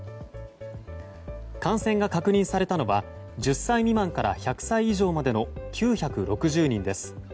感染が確認されたのは１０歳未満から１００歳以上までの９６０人です。